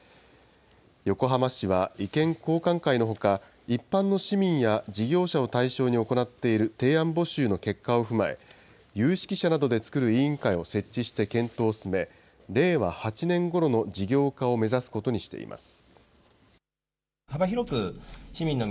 横浜市は意見交換会のほか、一般の市民や事業者を対象に行っている提案募集の結果を踏まえ、有識者などで作る委員会を設置して検討を進め、令和８年ごろの事業化を目指すことにしています。